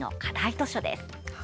図書です。